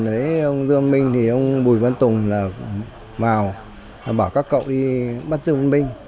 thế ông dương minh thì ông bùi văn tùng là vào bảo các cậu đi bắt dương minh